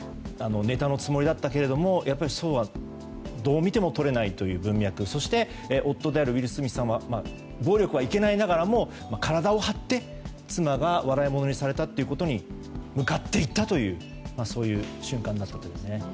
ネタのつもりだったけれどもやっぱり、そうはどう見ても取れないという文脈そして夫であるウィル・スミスさんは暴力はいけないながらも体を張って妻が笑い者にされたということに向かっていったというそういう瞬間でしたね。